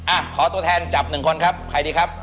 อ่ะขอตัวแทนจับหนึ่งคนครับใครดีครับ